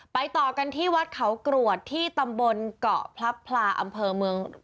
ต่อกันที่วัดเขากรวดที่ตำบลเกาะพลับพลาอำเภอเมือง